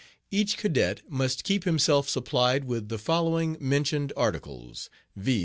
Each cadet must keep himself supplied with the following mentioned articles, viz.